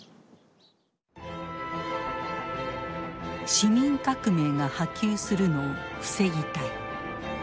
市民革命が波及するのを防ぎたい。